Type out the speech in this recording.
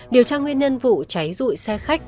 điều tra nguyên nhân vụ cháy rủi xe khách